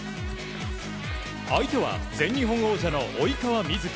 相手は全日本王者の及川瑞基。